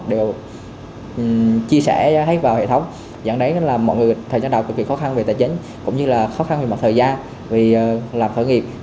đều chia sẻ hết vào hệ thống